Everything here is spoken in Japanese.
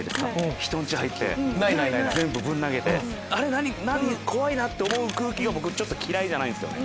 人ん家入って全部ぶん投げて何⁉怖いなって思う空気が僕嫌いじゃないんですよね。